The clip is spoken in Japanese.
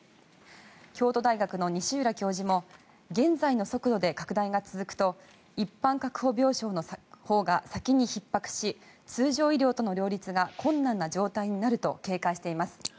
京都大学の西浦教授も現在の速度で拡大が続くと一般確保病床のほうが先にひっ迫し通常医療との両立が困難な状態になると警戒しています。